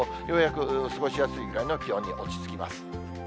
ようやく過ごしやすいぐらいの気温に落ち着きます。